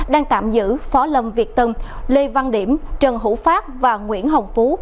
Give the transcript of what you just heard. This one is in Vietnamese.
đang tạm giữ phó lâm việt tân lê văn điểm trần hữu phát và nguyễn hồng phú